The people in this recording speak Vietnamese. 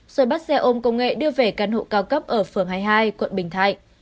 rồi bắt xe ôm công nghệ đưa về căn hộ cao cấp ở phường hai mươi hai quận bình thạnh